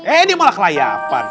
ini malah kelayapan